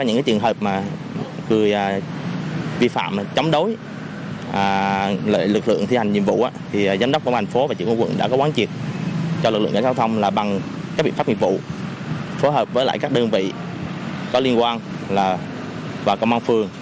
giám đối lực lượng thi hành nhiệm vụ thì giám đốc công an thành phố và trưởng quân quận đã có quán triệt cho lực lượng giao thông là bằng các biện pháp nhiệm vụ phối hợp với các đơn vị có liên quan và công an phương